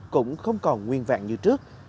cũng không còn nguyên vạn như trước